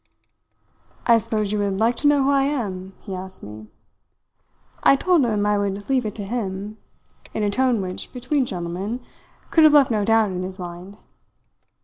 "'I suppose you would like to know who I am?' he asked me. "I told him I would leave it to him, in a tone which, between gentlemen, could have left no doubt in his mind.